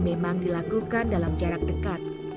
memang dilakukan dalam jarak dekat